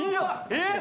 えっ？